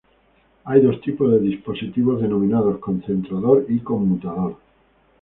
Hay dos tipos de dispositivos, denominados concentrador y conmutador.